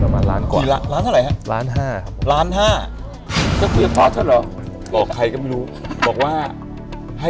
บางนั้นล้านกว่า